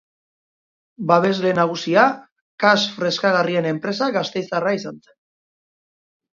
Babesle nagusia Kas freskagarrien enpresa gasteiztarra izan zen.